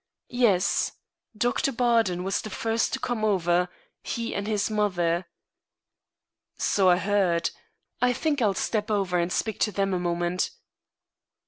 "Yes. Doctor Bardon was the first to come over he and his mother." "So I heard. I think I'll step over and speak to them a moment."